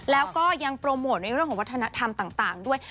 แล้วก็ยังโปรโมทในเรื่องของวัฒนธรรมต่างด้วย